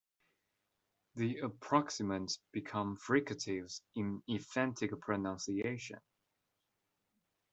The approximants become fricatives in emphatic pronunciation.